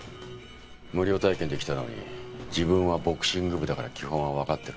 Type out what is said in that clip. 無料体験で来たのに自分はボクシング部だから基本はわかってるって。